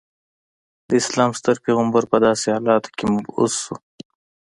د اسلام ستر پیغمبر په داسې حالاتو کې مبعوث شو.